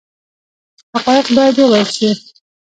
حقایق باید وویل شي